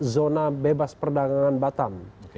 zona bebas perdagangan batam